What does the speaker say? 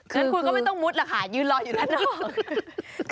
งั้นคุณก็ไม่ต้องมุดหรอกค่ะยืนรออยู่ด้านนอก